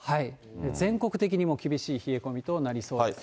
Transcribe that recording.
全国的にもう厳しい冷え込みとなりそうです。